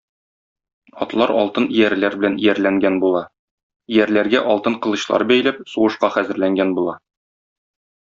Атлар алтын иярләр белән иярләнгән була, иярләргә алтын кылычлар бәйләп, сугышка хәзерләнгән була.